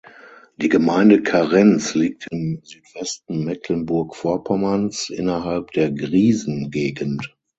Die Gemeinde Karenz liegt im Südwesten Mecklenburg-Vorpommerns innerhalb der Griesen Gegend.